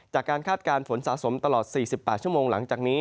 คาดการณ์ฝนสะสมตลอด๔๘ชั่วโมงหลังจากนี้